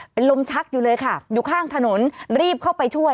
เป็นลมชักอยู่เลยค่ะอยู่ข้างถนนรีบเข้าไปช่วย